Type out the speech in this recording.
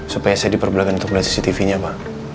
supaya saya diperbelakan untuk melihat cctv nya pak